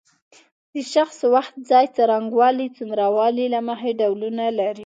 د شخص وخت ځای څرنګوالی څومره والی له مخې ډولونه لري.